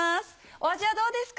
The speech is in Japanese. お味はどうですか？